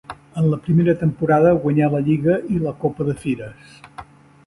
En la primera temporada guanyà la lliga i la Copa de Fires.